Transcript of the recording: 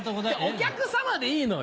お客さまでいいのよ。